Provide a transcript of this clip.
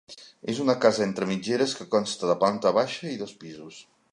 És una casa entre mitgeres que consta de planta baixa i dos pisos.